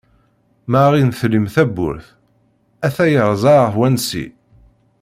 Ma aɣ-in-tellim tawwurt, ata yeṛẓa-aɣ wansi.